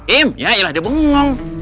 im yaelah dia bengong